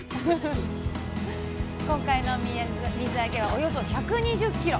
今回の水揚げはおよそ１２０ｋｇ。